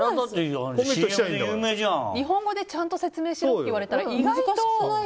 日本語で説明しろって言われたら意外と。